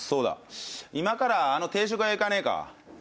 そうだ今からあの定食屋行かないか。